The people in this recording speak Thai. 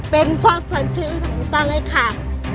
เป็นความสนใจที่รู้สึกตอนเลยค่ะ